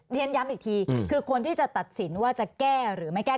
เรียนย้ำอีกทีคือคนที่จะตัดสินว่าจะแก้หรือไม่แก้